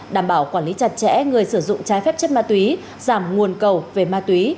đảm bảo quản lý chặt chẽ người sử dụng trái phép chất ma túy giảm nguồn cầu về ma túy